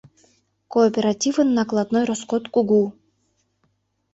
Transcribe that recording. Кооперативын накладной роскот кугу.